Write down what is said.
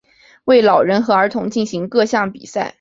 为老人和儿童进行各种比赛。